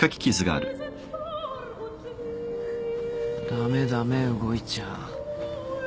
駄目駄目動いちゃ。